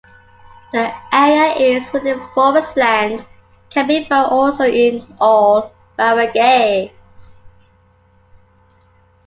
This area is within forest land can be found also in all barangays.